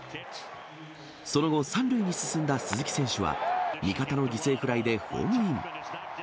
その後、３塁に進んだ鈴木選手は、味方の犠牲フライでホームイン。